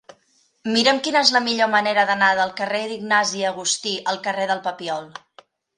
Mira'm quina és la millor manera d'anar del carrer d'Ignasi Agustí al carrer del Papiol.